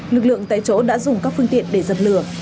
lực lượng tại chỗ đã dùng các phương tiện để dập lửa